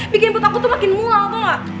bikin input aku tuh makin mulal tau gak